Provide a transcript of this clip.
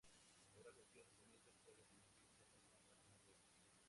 Ahora, cualquier documento puede convertirse en una página web.